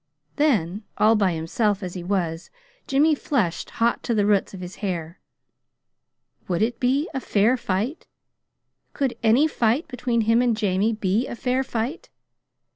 Then, all by himself as he was, Jimmy flushed hot to the roots of his hair. Would it be a "fair" fight? Could any fight between him and Jamie be a "fair" fight?